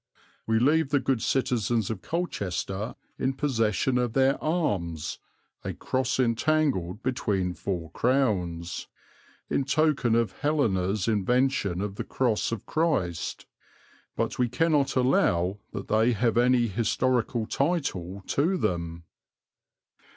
We leave the good citizens of Colchester in possession of their arms 'a cross intagled between four crowns,' in token of Helena's invention of the Cross of Christ; but we cannot allow that they have any historical title to them."